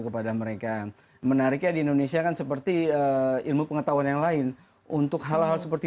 kepada mereka menariknya di indonesia kan seperti ilmu pengetahuan yang lain untuk hal hal seperti